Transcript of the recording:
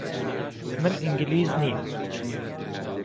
من ئینگلیز نیم.